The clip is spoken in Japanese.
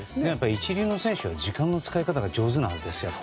１軍の選手は時間の使い方が上手なんですよ。